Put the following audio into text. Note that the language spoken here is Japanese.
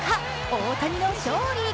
大谷の勝利。